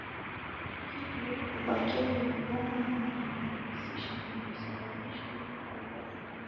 Hivyo ubakia kwenye ubongo Na vihisishi hivi husababisha ile hali y